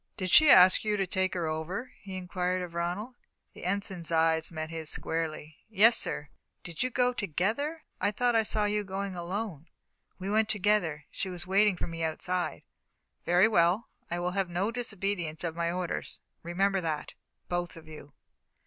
"Did she ask you to take her over?" he inquired of Ronald. The Ensign's eyes met his squarely. "Yes, sir." "Did you go together? I thought I saw you going alone." "We went together. She was waiting for me outside." "Very well. I will have no disobedience of my orders remember that, both of you."